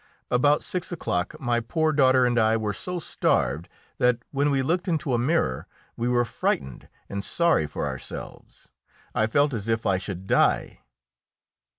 About six o'clock my poor daughter and I were so starved that, when we looked into a mirror, we were frightened and sorry for ourselves. I felt as if I should die.